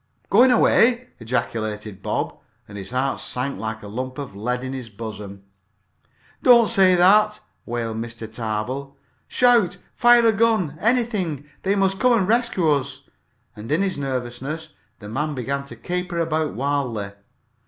"Going away!" ejaculated Bob, and his heart sank like a lump of lead in his bosom. "Don't say that!" wailed Mr. Tarbill. "Shout fire a gun anything! They must come and rescue us!" And in his nervousness the man began to caper about wildly.